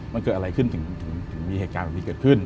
มันเกิดอะไรขึ้นถึงมีเหตุการณ์แบบนี้เกิดขึ้น